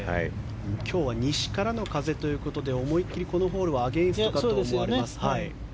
今日は西からの風ということで思い切りこのホールはアゲンストかと思われます。